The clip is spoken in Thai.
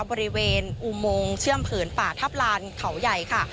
บริเวณอุโมงเชื่อมผืนป่าทัพลานเขาใหญ่ค่ะ